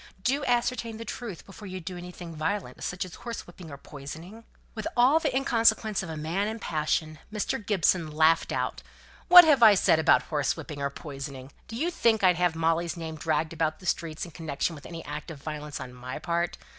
Do ascertain the truth before you do anything violent, such as horsewhipping or poisoning." With all the inconsÄquence of a man in a passion, Mr. Gibson laughed out, "What have I said about horsewhipping or poisoning? Do you think I'd have Molly's name dragged about the streets in connection with any act of violence on my part?